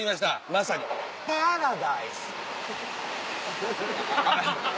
まさにパラダイス。